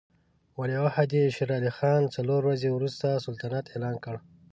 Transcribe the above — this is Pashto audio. ولیعهد یې شېر علي خان څلور ورځې وروسته سلطنت اعلان کړ.